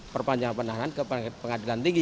perpanjangan penahanan ke pengadilan tinggi